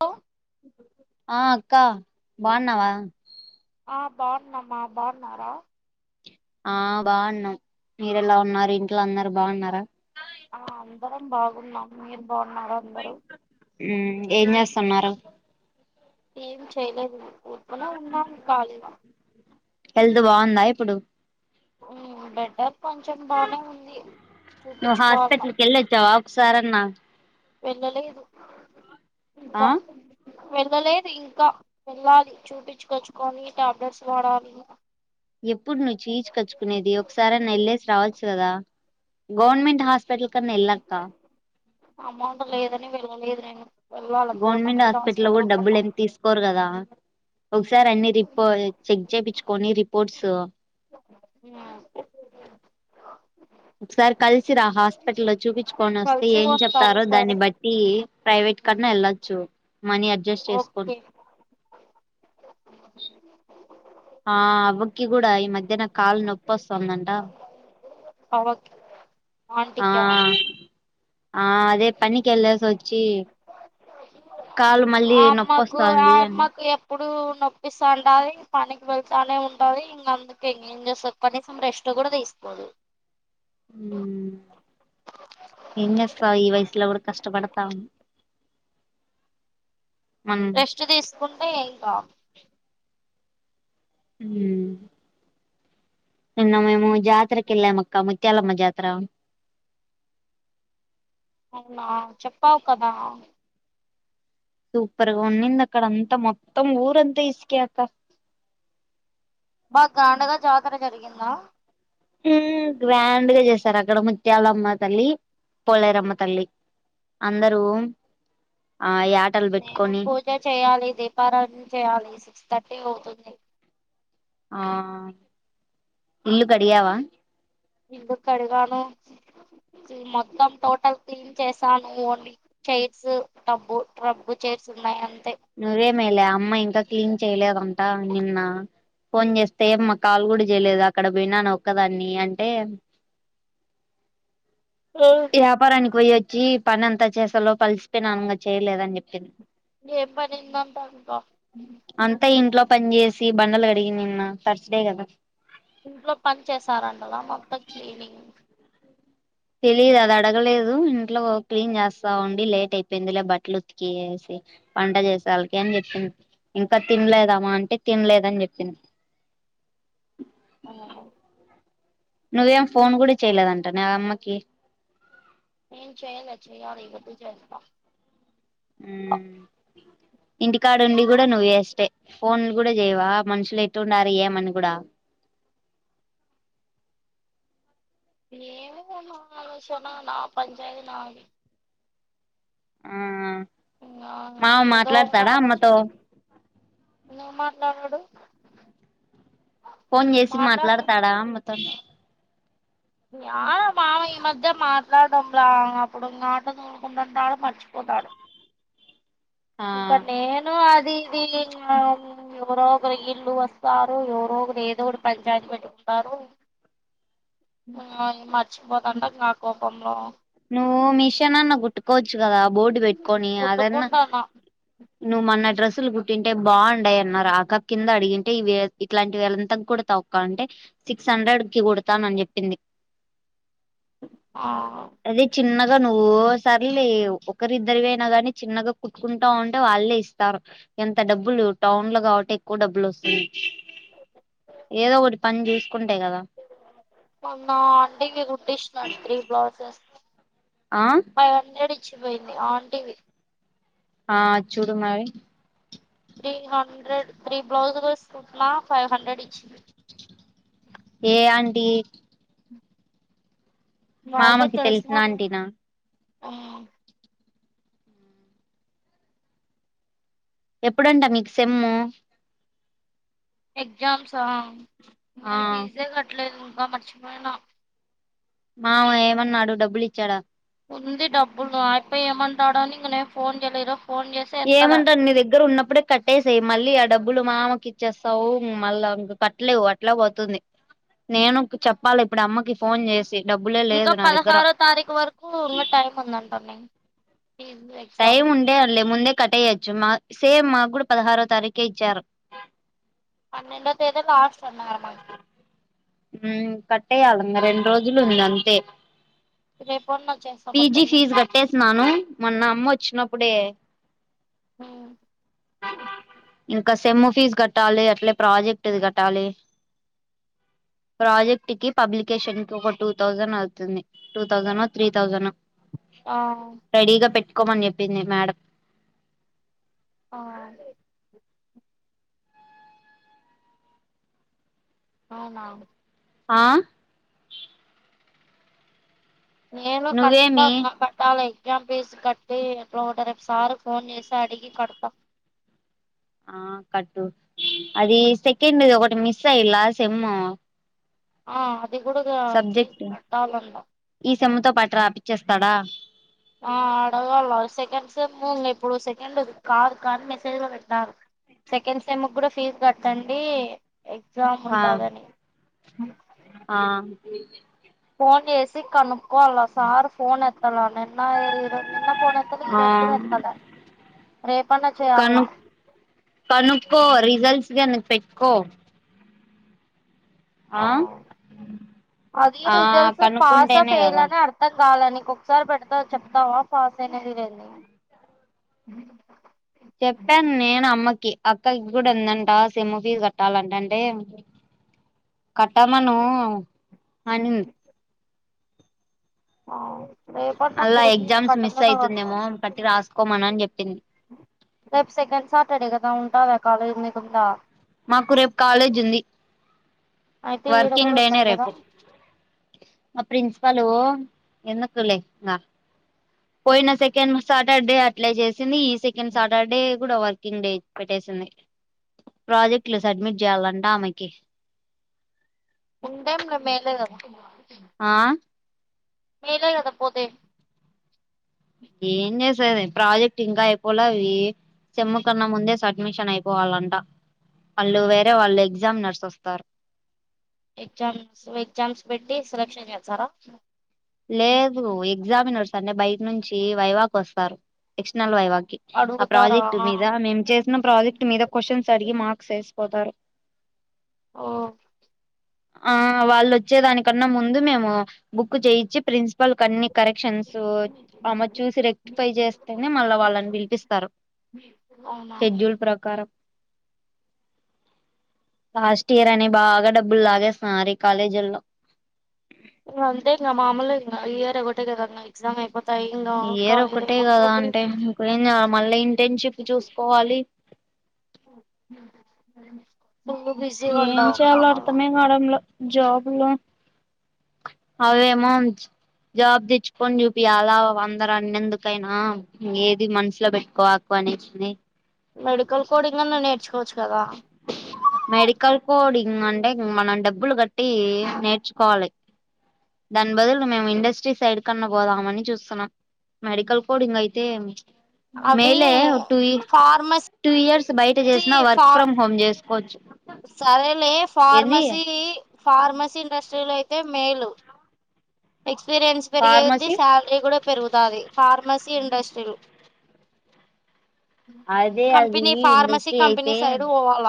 హ ఆ అక్కా బాగున్నావా? ఆ బాగున్నామ్మా. బాగున్నారా? ఆ బాగున్నాం మీరలా ఉన్నారు ఇంట్లో అన్నారు బాగున్నారా. ఆ అందరం బాగున్నాం. మీ బాగున్నారు అందరు ఉ ఏం చేస్తున్నారు? ఏం చేయలేదు ఇంట్లో నే ఉన్నాం కాలిగా హెల్త్ బాగుందా ఇప్పుడు. ఊ బెటర్ కొంచెం బానే ఉంది చూపించుకోవాల సరే అన్న వెళ్ళలేదు. ఆ ఇంకా వెళ్ళలేదు ఇంకా వెళ్ళాలి, చూపించుకొచ్చుకొని టాబ్లెట్స్ వాడాలి. ఎప్పుడు నువ్వు చీజ్ కచ్చుకునేది. ఒకసారి న వెళ్ళసి రావచ్చు కదా. గవర్నమెంట్ హాస్పిటల్ కన్నా ఎళ్లక్క. అమౌంట్ లేదని పిలవలేదు నేను. గవర్నమెంట్ హాస్పిటల్ కూడా డబ్బులు ఎం తీసుకోరు కదా. ఒకసారి అన్ని రిపో చెక్ చేపిచ్చుకోని రిపోర్ట్స్ ఉమ్, ఒకసారి కలిసి రా హాస్పిటల్లో చూపించుకొని వస్తే కలిసి ఏం వస్తాం చెప్తారో సరే దాన్ని బట్టి ప్రైవేట్ ఉమ్, కన్నా వెళ్ళొచ్చు. మనీ అడ్జస్ట్ చేసుకో ఓకే అ కి కూడా ఈ మధ్యన కాళ్లు నొప్పి వస్తుందంట. అవకి ఆ మాంటికా ఆ అదే పనికెళ్ళిసి వచ్చి కాలు మళ్ళీ ఆ అమ్మకు ఆ నొప్పొస్తుంది అ అమ్మకు ఎప్పుడు నొప్పిస్తూ ఉండి పనికి వెళ్తూనే ఉంటుంది ఇంక అందుకకు ఇం ఏం చేస్తుంది కనీసం రెస్ట్ కూడా తీసుకోదు హ్మ్మ్ ఏం చేస్తావు ఈ వయసులో కూడా కష్టపడతావు రెస్ట్ తీసుకుంటే ఇంకా హ నిన్న మేము జాతరకి ఎల్లమక్క ముత్యాలమ్మ జాతర అవునా చెప్పావు కదా సూపర్గా ఉడింద అక్కడ అంతా మొత్తం ఊరంతా ఇసుక అక బాగా గ్రాండ్గా జాతర జరిగిందా హ్మ్మ్ గ్రాండ్గా చేసారు అక్కడ ముత్యాలమ్మ తల్లి పోలేేరమ్మ తల్లి అందరూ ఆ యాటలు నేను పెట్టుకొని పూజ చేయ్యాలి దీపారాధన చేయాలి థర్టీ పోతుంది ఆ ఇల్లు కడియావా ఇళ్ళు కడిగాను మొత్తం టోటల్ క్లీన్ చేసాను ఓన్లీ చైర్స్ ట్రబ్బు ట్రబ్బు చైర్స్ ఉన్నాయ నువ్వే మేలే అమ్మ ఇంకా క్లీన్ చేయలేదంటా నిన్న ఫోన్ చేస్తే ఏమా కాల్ కూడా చేయలేదు అక్కడ పోయినాను ఒక్కదాన్ని అంటే ఏపారానికి పోయి జ పని ఎంతా చేసాలోపలిసిపోయినా అనుగా చేయలేదని చెప్పింది ఏం పని ఉందంట ఇంకా అంతా ఇంట్లో పని చేేసి బండలు కడిగి నిన్న తర్స్డే కదా ఇంట్లో పని చేసారంటగా మొత్తం క్లీనింగ్ తెలిదు అది అడగలేదు ఇంట్లో క్లీన్ చేస్తా ఉండి లేట్ అయిపోయింది లే బట్టలు ఉతికి వేసి వంట చేసే వాళ్ళకి అని చెప్పింది ఇంకా తినలేదమ్మా అంటే తినలేదని చెప్పింది ఆ నువ్వేం ఫోన్ కూడా చెయలేదంట నా అమ్మకి ఏం చేయల్ చేయాలవటి జస్స్త ఇంటికాడుండి కూడా నువ్వ వేస్తే ఫోన్లు కూడా చేయవా మనుషులు ఎట్టు ఉండారు ఏమని కూడా ఏమ అ సన్నా నా పంచాతి నాది ఆ ఇం మామ ఏదో ఒకటా మాట్లాడతాడా అమ్మతో లోచన ను ను మాట్లాడాడు ఫోన్ చేసి మాట్లాడతాడా అమ్మతో మామ ఈ మధ్య మాట్లాడడంలా అప్పుడు మాట నూడుకుంటుంటడు మర్చిపోంటాడు ఆ ప నేను అ అ ఇది ఎవరో ఒకరు ఇల్లు వస్తారు ఎవరో ఒకరు ఏదో ఒకటి పంచాయతీ పెట్టుకుంటారు మర్చిపోదంట నా కోపంలో మీ షన్నా కుట్టుకోవచ్చు కదా బోర్డు పెట్టుకొని అదన్నా కుట్టుకుంటాన్న నువ్ మన్న డ్రెస్సులు కుట్టింటే బాగుండయి అన్నారు ఇం కింద అడిగింటే ఈ ఇట్లాంటి వేలంతా కూడా తవక్క అంటే సిక్స్ హండ్రెడ్ కి కుడతాను అని చెప్పింది ఆ అదే చిన్నగా నువ్వు సర్లే ఒకరిద్దరియినా ని చిన్నగా కుట్టుకుంటా ఉంటే వాళ్ళే ఇస్తారు ఎంత డబ్బులు టౌన్ లో కాబట్టి ఎక్కువ డబ్బులు వస్తుంది ఏదో ఒకటి పని చేస్త మొన్న ఆంటీ కి కుట్టి ఇచ్చిన త్రీ బ్లౌజెస్ ఆ ఫైవ్ హండ్రెడ్ వచ్చిపోయింది ఆంటివి ఆ చూడు మావి త్రీ హండ్రెడ్ త్రీ బ్లౌజులు చూట్న ఫైవ్ హండ్రెడ్ ఇచ్చింది ఏ ఆంటీ మామకి తెలిసినా ఆంటీనా హ్మ్ ఎప్పుడంటా మీకు సేము ఎగ్జామ్స్ ఆహ్ ఆ నేను ఫీజే కట్టలేదు అబ్బా మరిచిపోయినా మామ ఏమన్నాడు డబ్బులు ఇచ్చాడా ఉంది డబ్బులు అయ్యప ఏమంటాడో అని ఇంగ ఫోన్ చేయలేదు ఈరోజు ఫోన్ చేసి ఎత్తలే ఏమంటారు నీ దగ్గర ఉన్నప్పుడే కట్టేసాయి మళ్ళీ ఆ డబ్బులు మామకి చ్చేస్తావు మళ్ళా ఇంక కట్టలేవు అట్లే పోతుంది నేను చెప్పాలి ఇప్పుడు అమ్మకి ఫోన్ చేసి డబ్బులే ఇంకా లేదు నా దగ్గర పదహారో తారీఖు వరకు ఇం టైమ్ ఉందంట న టైం ఉండే అలే ముందే కట్టయచ్చు మ సేమ్ మకుడా పదిహారో తారీక్ కే ఇచ్చారు ఎదో లాస్ట్ అన్నరు మాకి హ్మ్ కట్టేయాలంగా రెండు రోజులు ఉంది అంతే రేపన్న వచ్చేస్తా పీజి పొద్దున్నే ఫీజు కట్టేసిన్నాను మొన్న అమ్మ వచ్చినప్పు అప్పుడే ఇంకా సెమ్ ఫీజు కట్టాలి అట్లే ప్రాజెక్ట్ కట్టాలి ప్రాజెక్ట్ కి పబ్లికేషన్ కి ఒక టూ థౌజండ్ అవుతుంది టూ థౌసండ్ ఓ త్రీ థౌసండ్ ఓ ఆ రెడీగా పెట్ ఒక్కమని చెప్పింది మేడం ఆ అవునా ఆ నేను నువ్వేమి ఖచ్చితంగా కట్టాలి ఎక్సమ్ ఫీజ్ కట్టి ఏట్లో అట్ల రేపు సార్ కి ఫోన్ చేసి అడిగి కడతా ఆ కట్టు అది సెకండ్ ది ఒకటి మీస్ విస్ అయాలా సేము ఆ అది కూడా ఫీజు కట్టాల అంట చెమ్తో పాటు రాపిచ్చేస్తాడా ఆ అడగళ్ళ సెకండ్ సెమ్ ఇప్పుడు సెకండ్ కాదు కానీ మెసేజ్లో పెట్టినారు సెకండ్ సెమ్ కూడా ఫీజు కట్టండి ఎగ్జామ్ ఆ ఉంటాదని అ ఫోన్ చేసి కొనుక్కోవాలి సార్ ఫోన్ ఎత్త తల నిన్నరో నిన్న పోన ఎత్తలే ఆ ఈరోజు కూడా ఎత్తలే రేపాన్న కను చేయాల కనుక్కో రిజల్ట్స్ గాని పెట్టుకో ఆ అది ఆ రిజల్ట్స్ పాస కనుక్కుంటేనే ఫెయిల్ కదా అని అర్ధం కాాలా నీ కీ ఒకసారి పెడతా చెప్తావా ఫాస్ అయినది లేంది చెప్పాను నేను అమ్మకి అక్కకి కూడా ఉందంటా సిమ్ ఫీజు కట్టాలంట అంటే కట్టామను అనింది ఆ రేపన్నా అల్లా పోయి ఎగ్జామ్స్ కట్ట మిస్ కన్న అయితుందేమో వస్తావు కట్టి రాసుకోమను అని చెప్పింది రేపు సెకన్డ్ సాటర్డే కదా ఉంట క కాలేజ్ ని ఉంది కొత్త మాకు రేపు కాలేజ్ ఉంది అయితే ఈడ కూడా వర్కింగ్ డేనే ఉంటాది కదా రేపు మా ప్రిన్సిపలు ఎందుకులే ఇంకా పోయినా సెకెన్ నుంచ సాటర్డే అట్లా చేసింది ఈ సెకండ్ సాటర్డే కూడా వర్క్ ఇనుడేట్ పెట్టేసింది ప్రాజెక్ట్లు సడ్మిట్ చేయాలండి టామయికి ఉంటే ఇప్పుడు మేలేకద ఆ నేనే కదా పోతే ఏం చేసేది ప్రాజెక్ట్ ఇంకా అయిపోల అవి చెమ్ము కన్నా ముందే అడ్మిషన్ అయిపోవాలంట వాళ్ళుేరే వాళ్ళ ఎగ్జా నర్స్స్తస్తా పార్క్ ఎగ్జామ్స్ ఎగ్జామ్స్ పెట్టి సెలెక్షన్ చేస్తారా లేదు ఎగ్జామినే నడుస్తు అంటే బయట నుంచి వైవాగ్ వస్తారు ఎక్స్టనల్ వైవాగ్ ఆ అడుగుతారా ప్రాజెక్ట్ మీద మేం చేసిన ప్రాజెక్ట్ మీద కోషన్స్ అడిగి మాక్స్ వేసి పొతారు ఆఓ ఆ వాళ్ళు వచ్చే దానికన్నా ముందు మేము బుక్కు చేయి చి ప్రిన్సిపల్ కన్నీ కరెక్షన్స్ అమె చూసి రెక్టిఫై చేస్తేనే మళ్ళా వాళ్ళని పిలిపిస్తారు అవునా షెడ్యూల్ ప్రకారం లాస్ట్ ఇయర్ అని బాగా డబ్బులు లాగేస్తున్న మారి కాలేజల్లో ఇక అంతే గ మామూలుగా ఇయర్ ఒకటే కదా ఇం ఎగ్జామ్ అయిపో ఇయర్ ఒక్కటే కదా అంటే ఇప్పుడేం చేయాలి మళ్ళీ ఇంటర్న్షిప్ చూసుకోవాలి ఓర మ ఏం చేయాలో అర్థమే కావడంల జాబ్ లో అవేమో జాబ్ తెచ్చుకొని చూపీయాల అందరు అన్నందుకైనా ఏది మనసులో పెట్టుకోవాకు అనేసి మెడికల్ కోడింగైనా నేర్చుకోవచ్చు కదా మెడికల్ కోడి ఉ అంటే మనం డబ్బులు కట్టి నేర్చుకోవాలి దాని బదులు మేము ఇండస్ట్రీ సైడ్ కన్న పోదామని చూస్తున్నాం మెడికల్ కోడింగ్ అయితే అవి మేలే టూ ఇ ఫార్మసీ టూ ఇయర్స్ బయట చేసినా వర్క్ ఫ్రమ్ హోమ్ చేస్ వచ్చు సరే లే ఫార్మసి ఫార్మసి ఇండస్ట్రీ అయితే మేలు ఎక్స్ ఎక్స్పీరియన్స్ పెరిగేకొద్ధి ఫార్మసీ శాలరీ కూడా పెరుగుతాది ఫార్మసీ ఇండస్ట్రి లొ అదే అది కంపెనీ ఫార్మసీ ఇండస్ట్రీ కంపెనీ అయితే సైడ్ పోవాల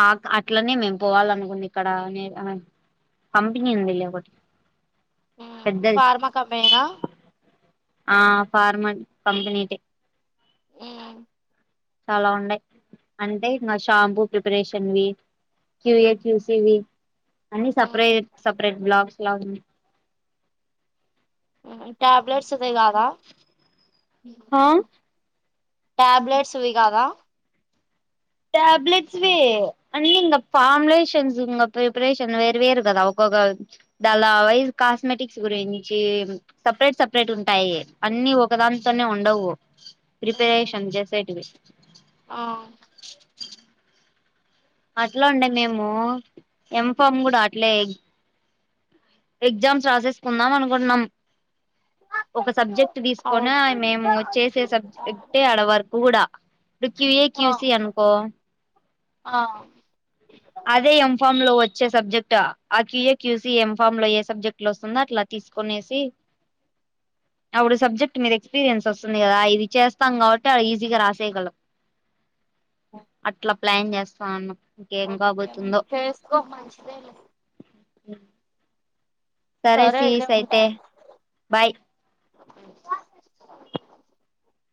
ఆ అట్లనే మేము పోవాలనుకుంది ఇక్కడ కంపెనీ ఉందిలే ఒకటి పెద్దది ఫార్మా కంపెనీనా ఆ ఫార్మా కంపనీ దె ఆ చాలా ఉండయి అంటే ఇంకా షాంపూ ప్రిపరేషన్వి క్యూ ఏ క్యూ సి వి అన్ని సపరేట్ సపరేట్ బ్లాక్స్ లా ఉ ట్యాబ్లెట్స్ ది కాదా హా ట్యాబ్లెట్స్వి కాదా టాబ్లెట్స్వి అన్ని ఇంకా ఫార్ములేషన్స్ ఇంకా ప్రిపరేషన్ వేరు వేరు కదా ఒక్కొక్క దాల వైస్ కాస్మెటిక్స్ గురించి సపరేట్ సపరేట్ ఉంటాయి అన్ని ఒకదాంతోనే ఉండవు. ప్రిపరేషన్ జేసేటివి ఆ అట్లా ఉండి మేము ఎం ఫార్మ్ కూడా అట్లే ఎగ్జామ్స్ రాసేసుకుందాం అనుకుంటున్నాం ఒక సబ్జెక్ట్ తీసుకని మేము చేసే అవును సబ్జెక్టే ఆడ వర్క్ కూడా ఇప్పుడు క్యూ యే ఆ క్యూ సి అనుకో ఆ అదే ఎం ఫామ్ లో వచ్చే సబ్జెక్ట్ ఆ క్యూఏ క్యూసీ ఎం ఫామ్ లో ఏ సబ్జెక్ట్ లో వస్తుందో అట్లా తీసుకనేసి అప్పుడు సబ్జెక్ట్ మీద ఎక్స్పీరియన్స్ వస్తుంది కదా ఇది చేస్తాం కాబట్టి ఈజీగా రాసేయగలం అట్లా ప్లాన్ చేస్తా ఉన్న ఇంకేమ్ ఓకే చేసుకో మంచిదే లె మ్మ్ సరే సీస్ అయితే బాయ్ [unintelligible]